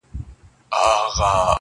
بې حیا یم، بې شرفه په وطن کي.